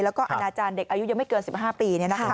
แล้วก็อนาจารย์เด็กอายุยังไม่เกิน๑๕ปี